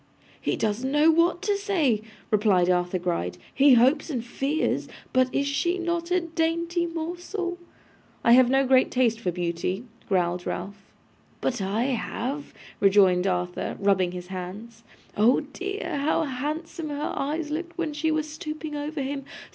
'He doesn't know what to say,' replied Arthur Gride. 'He hopes and fears. But is she not a dainty morsel?' 'I have no great taste for beauty,' growled Ralph. 'But I have,' rejoined Arthur, rubbing his hands. 'Oh dear! How handsome her eyes looked when she was stooping over him!